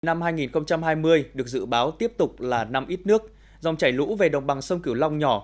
năm hai nghìn hai mươi được dự báo tiếp tục là năm ít nước dòng chảy lũ về đồng bằng sông cửu long nhỏ